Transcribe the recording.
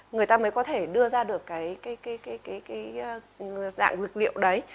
người ta mới có thể đưa ra được cái dạng vật liệu đấy